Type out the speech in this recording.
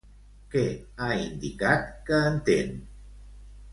Què ha indicat que entén?